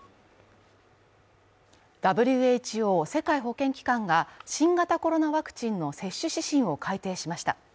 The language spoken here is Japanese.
ＷＨＯ＝世界保健機関が新型コロナワクチンの接種指針を改定しました。